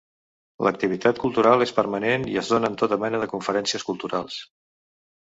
L'activitat cultural és permanent i es donen tota mena de conferències culturals.